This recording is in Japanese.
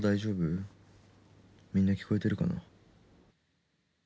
「みんな聞こえてるかな？」